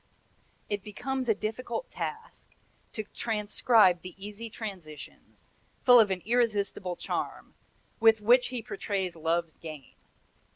"It becomes a difficult task to transcribe the easy transitions, full of an irresistible charm, with which he portrays Love's game.